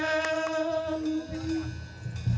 ดังนั้นก่อนจะรำวงกันให้สนาน